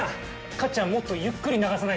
カッチャンもっとゆっくり流さないと。